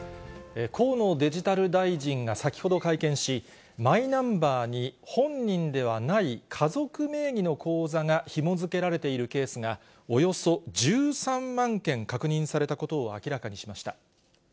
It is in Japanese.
河野デジタル大臣が先ほど会見し、マイナンバーに本人ではない家族名義の口座がひも付けられているケースがおよそ１３万件確認されたことを明らかにしました。